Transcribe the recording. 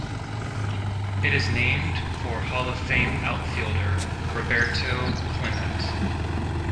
It is named for Hall of Fame outfielder Roberto Clemente.